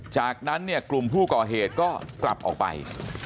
จากนั้นเนี่ยกลุ่มผู้ก่อเหตุก็กลับออกไป